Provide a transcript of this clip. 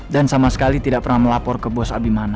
dan sama sekali tidak pernah melapor ke bos abimana